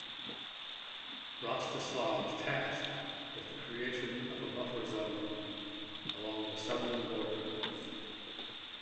Rostislav's task was the creation of a buffer zone along the southern borders.